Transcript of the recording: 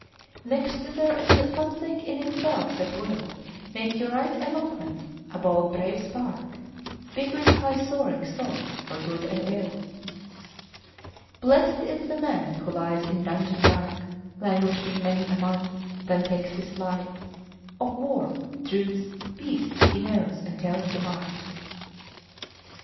Next there is something in itself that will Make you right eloquent, a bold brave spark, '' Big with high soaring thoughts for good and ill. Blessed is the man who lies in dungeon dark, Languishing many a month, then takes his flight Of war, truce, peace he knows, and tells the mark.